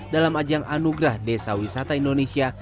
dalam ajang anugerah desa wisata indonesia